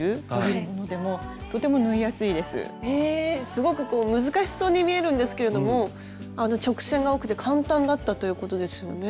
すごくこう難しそうに見えるんですけれども直線が多くて簡単だったということですよね？